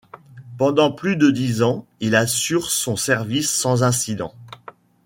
Pendant plus de dix ans, il assure son service sans incident.